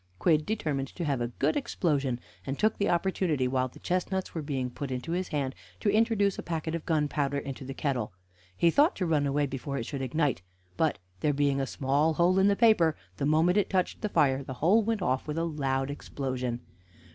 Quidd determined to have a good explosion, and took the opportunity, while the chestnuts were being put into his hand, to introduce a packet of gunpowder into the kettle. He thought to run away before it should ignite, but there being a small hole in the paper, the moment it touched the fire the whole went off with a loud explosion.